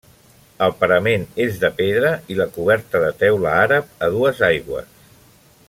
El parament és de pedra i la coberta, de teula àrab a dues aigües.